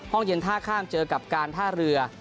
ห้องเย็นท่าข้ามเจอกับการท่าเรือ